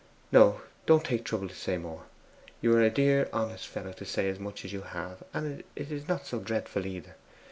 'No; don't take trouble to say more. You are a dear honest fellow to say so much as you have; and it is not so dreadful either.